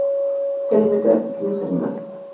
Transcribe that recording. Se alimenta de pequeños animales.